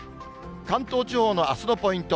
関東地方のあすのポイント。